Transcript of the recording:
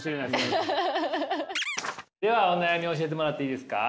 ではお悩み教えてもらっていいですか？